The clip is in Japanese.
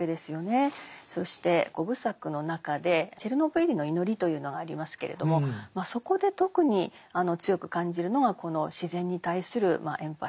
そして五部作の中で「チェルノブイリの祈り」というのがありますけれどもそこで特に強く感じるのがこの自然に対するエンパシーなんですね。